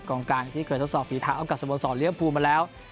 กรองการที่เคยทดสอบฝีเท้ากับสมสอบเลือกภูมิมาแล้ว